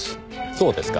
そうですか。